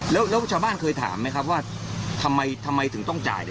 แล้วชาวบ้านเคยถามไหมครับว่าทำไมถึงต้องจ่าย